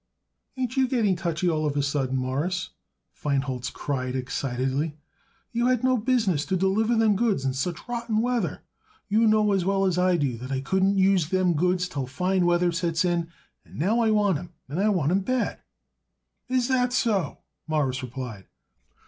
"Ain't you getting touchy all of a sudden, Mawruss?" Feinholz cried excitedly. "You had no business to deliver them goods in such rotten weather. You know as well as I do that I couldn't use them goods till fine weather sets in, and now I want 'em, and I want 'em bad." "Is that so?" Morris replied.